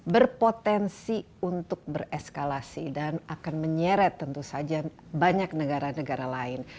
berpotensi untuk bereskalasi dan akan menyeret tentu saja banyak negara negara lain